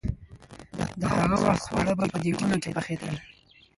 د هغه وخت خواړه به په دېګونو کې پخېدل.